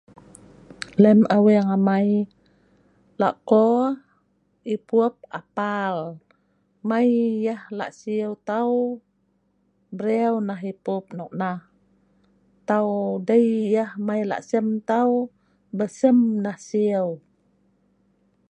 Lem aweng amai, lok epup, la siw tau brew nah yah.lasem tau brew yah.